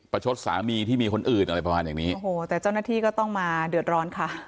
ชดสามีที่มีคนอื่นอะไรประมาณอย่างนี้โอ้โหแต่เจ้าหน้าที่ก็ต้องมาเดือดร้อนค่ะ